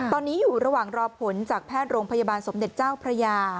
ตอนนี้อยู่ระหว่างรอผลจากแพทย์โรงพยาบาลสมเด็จเจ้าพระยา